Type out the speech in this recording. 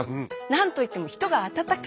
何といっても人が温かい。